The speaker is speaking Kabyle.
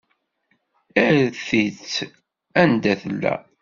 Err-itt anda tella.